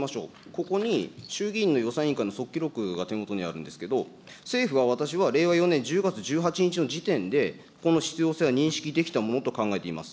ここに衆議院の予算委員会の速記録が手元にあるんですけど、政府が私は令和４年１０月１８日の時点で、この必要性は認識できたものと考えています。